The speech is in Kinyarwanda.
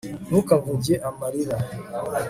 ntukavuge amarira